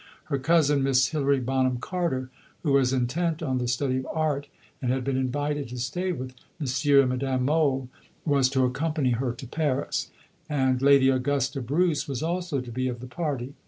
Her cousin, Miss Hilary Bonham Carter, who was intent on the study of art and had been invited to stay with M. and Madame Mohl, was to accompany her to Paris; and Lady Augusta Bruce was also to be of the party.